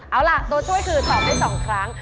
เอาแหละโตช่วยคือตอบให้สองครั้ง